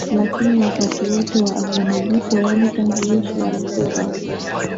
Lakini wakati wote wa Agano Jipya yaani tangu Yesu alipozaliwa